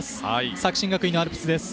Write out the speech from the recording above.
作新学院のアルプスです。